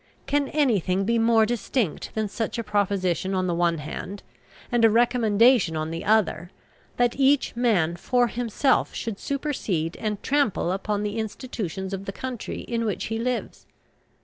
Can anything be more distinct than such a proposition on the one hand and a recommendation on the other that each man for himself should supersede and trample upon the institutions of the country in which he lives?